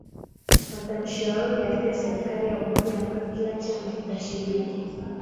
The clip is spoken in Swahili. watamshauri aunde serikali ya umoja ambayo kila chama kitashiriki